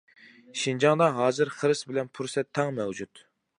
شىنجاڭدا ھازىر خىرىس بىلەن پۇرسەت تەڭ مەۋجۇت.